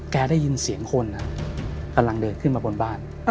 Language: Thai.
ได้ยินเสียงคนกำลังเดินขึ้นมาบนบ้าน